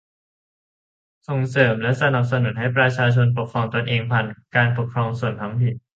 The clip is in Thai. ส่งเสริมและสนับสนุนให้ประชาชนปกครองตนเองผ่านการปกครองส่วนท้องถิ่น